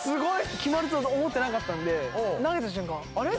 決まると思ってなかったんで投げた瞬間あれ？